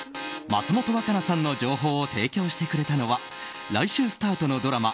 松本若菜さんの情報を提供してくれたのは来週スタートのドラマ